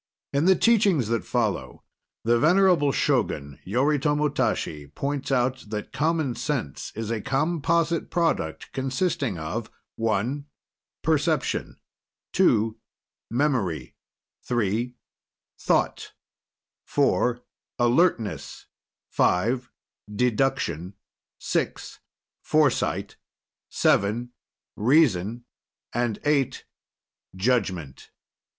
In the teachings that follow, the venerable Shogun, Yoritomo Tashi, points out that Common Sense is a composite product consisting of (1) Perception; (2) Memory; (3) Thought; (4) Alertness; (5) Deduction; (6) Foresight; (7) Reason, and (8) Judgment.